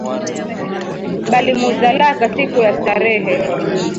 Balimuzalaka siku ya starehe